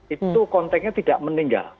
itu konteksnya tidak meninggal